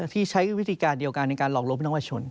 ที่ใช้วิธีการเดียวกันในการหลอกลวงพ่อท่านวัชชน